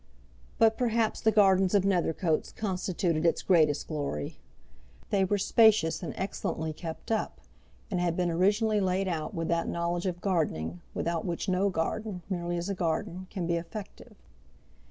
But perhaps the gardens of Nethercoats constituted its greatest glory. They were spacious and excellently kept up, and had been originally laid out with that knowledge of gardening without which no garden, merely as a garden, can be effective.